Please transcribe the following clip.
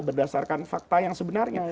berdasarkan fakta yang sebenarnya